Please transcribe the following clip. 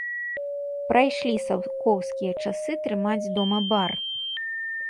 Прайшлі саўкоўскія часы трымаць дома бар!